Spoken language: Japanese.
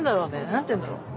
何て言うんだろう。